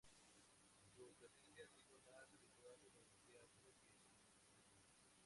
Su presencia ha sido más habitual en el teatro que en el cine.